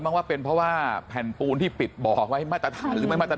ว่าเป็นเพราะว่าแผ่นปูนที่ปิดบ่อไว้มาตรฐานหรือไม่มาตรฐาน